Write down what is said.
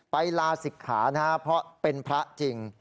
ไปลาศิกขานะฮะเพราะเป็นพระจริง